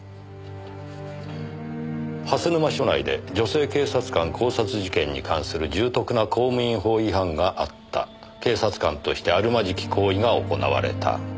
「蓮沼署内で女性警察官絞殺事件に関する重篤な公務員法違反があった」「警察官としてあるまじき行為が行われた」